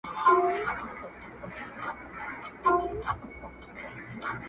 چي دا سپین ږیري دروغ وايي که ریشتیا سمېږي.!